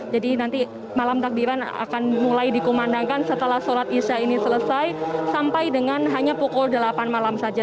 jadi nanti malam takbiran akan mulai dikumandangkan setelah sholat isya ini selesai sampai dengan hanya pukul delapan malam saja